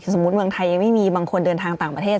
สมมุติเมืองไทยยังไม่มีบางคนเดินทางต่างประเทศ